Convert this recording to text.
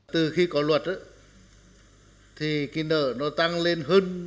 từ khi có luật thì cái nợ nó tăng lên hơn